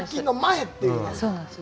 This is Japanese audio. そうなんです。